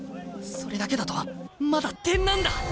それだけだとまだ点なんだ。